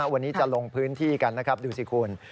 วันนี้จะลงพื้นที่กันนะครับดูสิคุณ